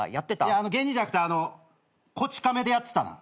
いや芸人じゃなくて『こち亀』でやってたな。